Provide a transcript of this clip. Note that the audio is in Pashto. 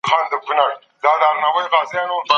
د انسان سر او مال بايد خوندي وي.